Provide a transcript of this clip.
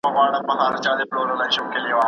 د سرو زرو په شان ارزښت لري.